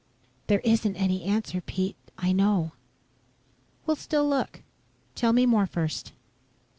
"There isn't any answer, Pete. I know." "We'll still look. Tell me more, first."